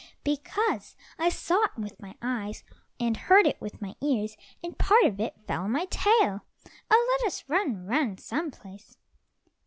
"Because I saw it with my eyes, and heard it with my ears, and part of it fell on my tail. Oh, let us run, run some place."